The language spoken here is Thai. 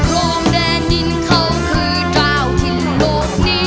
โรงแดนดินเขาคือเจ้าที่โลกนี้